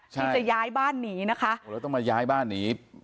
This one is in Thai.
ที่จะย้ายบ้านหนีนะคะโอ้แล้วต้องมาย้ายบ้านหนี